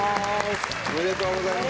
おめでとうございます。